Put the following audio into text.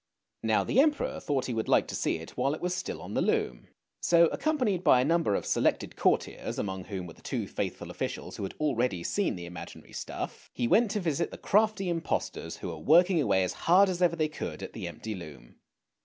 Now the Emperor thought he would like to see it while it was still on the loom. So, accompanied by a number of selected courtiers, among whom were the two faithful officials who had already seen the imaginary stuff, he went to visit the crafty impostors, who were working away as hard as ever they could at the empty loom.